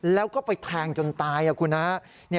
แล้วก็ไปแทงจนตายครับคุณฮะ